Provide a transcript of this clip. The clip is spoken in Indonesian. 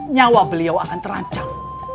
nyawa beliau akan terancam